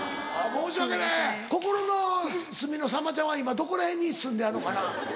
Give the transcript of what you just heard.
申し訳ない心の隅のさんまちゃんは今どこら辺に住んではるのかな？